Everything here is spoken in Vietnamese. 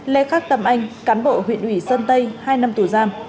lê khắc tâm anh cán bộ huyện ủy sơn tây hai năm tù giam